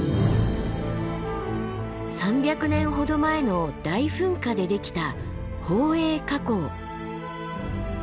３００年ほど前の大噴火でできた宝永火口。